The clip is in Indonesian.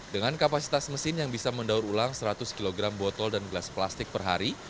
dengan kapasitas mesin yang bisa mendaur ulang seratus kg botol dan gelas plastik per hari